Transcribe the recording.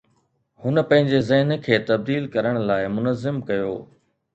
هن پنهنجي ذهن کي تبديل ڪرڻ لاء منظم ڪيو